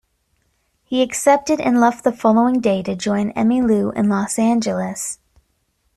He accepted and left the following day to join Emmylou in Los Angeles.